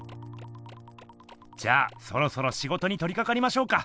じゃあそろそろしごとにとりかかりましょうか。